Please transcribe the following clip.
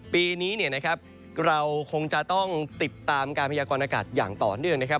ปีนี้เนี่ยนะครับเราคงจะต้องติดตามการพยากรณากาศอย่างต่อเนื่องนะครับ